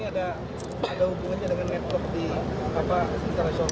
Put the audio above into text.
kelompok kelompok ini ada hubungannya dengan network di kapal internasional